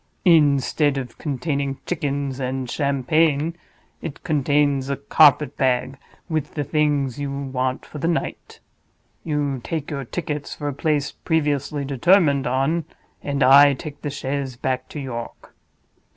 Instead of containing chickens and Champagne, it contains a carpet bag, with the things you want for the night. You take your tickets for a place previously determined on, and I take the chaise back to York.